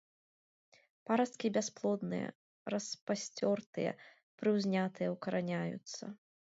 Парасткі бясплодныя, распасцёртыя, прыўзнятыя, укараняюцца.